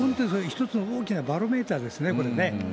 一つの大きなバロメーターですね、これね。